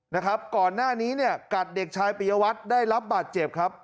นะครับก่อนหน้านี้เนี่ยกัดเด็กชายปียวัตรได้รับบาดเจ็บครับ